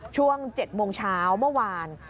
ช่วง๗โมงเช้าเมื่อวาน